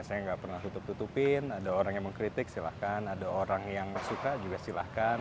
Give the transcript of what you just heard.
saya nggak pernah tutup tutupin ada orang yang mengkritik silahkan ada orang yang suka juga silahkan